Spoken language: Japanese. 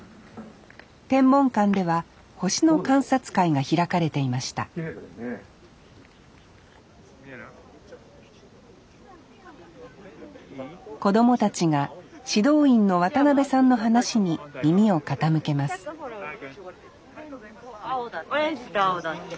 天文館では星の観察会が開かれていました子供たちが指導員の渡辺さんの話に耳を傾けます青だって。